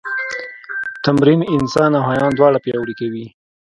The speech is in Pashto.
تمرین انسان او حیوان دواړه پیاوړي کوي.